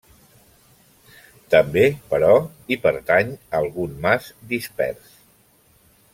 També, però, hi pertany algun mas dispers.